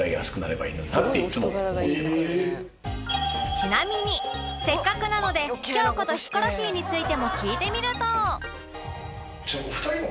ちなみにせっかくなので京子とヒコロヒーについても聞いてみると